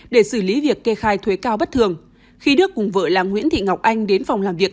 để xử lý việc kê khai thuế cao bất thường khi đức cùng vợ là nguyễn thị ngọc anh đến phòng làm việc